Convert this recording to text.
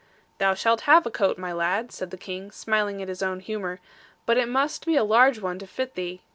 'Thou shalt have a coat, my lad,' said the King, smiling at his own humour; 'but it must be a large one to fit thee.